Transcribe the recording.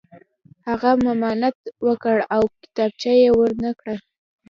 هغه ممانعت وکړ او کتابچه یې ور نه کړه